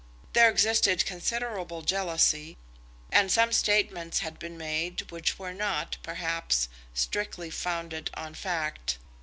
There existed considerable jealousy, and some statements had been made which were not, perhaps, strictly founded on fact.